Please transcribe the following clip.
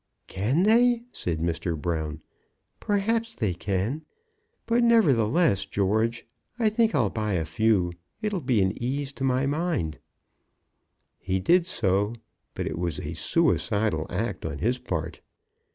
"Can they?" said Mr. Brown: "perhaps they can. But nevertheless, George, I think I'll buy a few. It'll be an ease to my mind." He did so; but it was a suicidal act on his part.